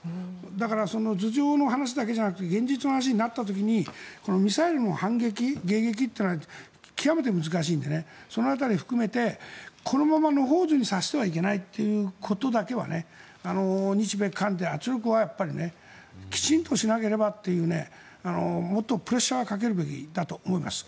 だから、頭上の話だけじゃなくて現実の話になった時にミサイルの反撃、迎撃は極めて難しいのでその辺りも含めてこのまま野放図にさせてはいけないということだけは日米韓で圧力はやっぱりきちんとしなければというもっとプレッシャーはかけるべきだと思います。